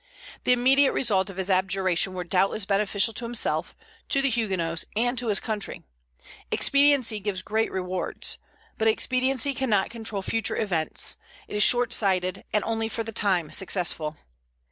The immediate results of his abjuration were doubtless beneficial to himself, to the Huguenots, and to his country. Expediency gives great rewards; but expediency cannot control future events, it is short sighted, and only for the time successful.